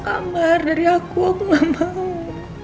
kamar dari aku aku gak mau